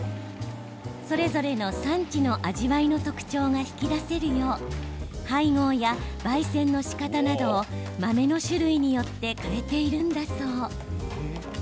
それぞれの産地の味わいの特徴が引き出せるよう配合や、ばい煎のしかたなどを豆の種類によって変えているんだそう。